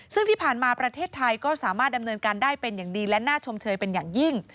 ซึ่งที่ผ่านมาประเทศไทยก็สามารถดำเนินการได้เป็นอย่างดีและน่าชมเชยเป็นอย่างยิ่ง